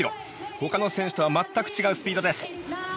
他の選手とは全く違うスピードです。